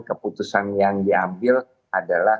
keputusan yang diambil adalah